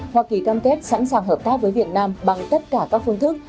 hoa kỳ cam kết sẵn sàng hợp tác với việt nam bằng tất cả các phương thức